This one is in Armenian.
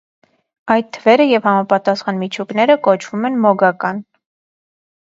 Այդ թվերը և համապատասխան միջուկները կոչվում են «մոգական»։